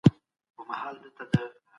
موږ بايد بنسټونه جوړ کړو.